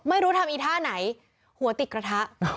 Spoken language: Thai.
ไม่รู้ทำอีท่าไหนหัวติดกระทะ